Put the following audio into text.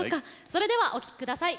それではお聴き下さい。